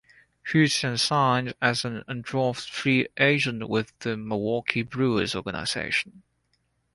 Hood then signed as an undrafted free agent with the Milwaukee Brewers organization.